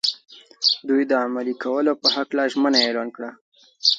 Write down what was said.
دوی د عملي کولو په هکله ژمنه اعلان کړه.